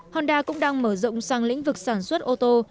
honda cũng đang mở rộng sang lĩnh vực sản xuất ô tô